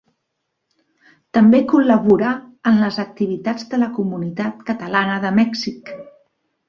També col·laborà en les activitats de la Comunitat Catalana de Mèxic.